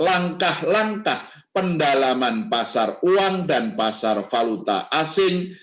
langkah langkah pendalaman pasar uang dan pasar valuta asing